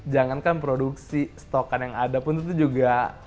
jangankan produksi stokan yang ada pun itu juga